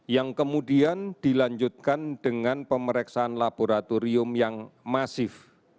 yang kemudian dilanjutkan dengan pemeriksaan laboratorium yang masif